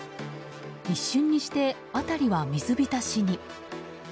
一瞬にして辺りは水浸しに。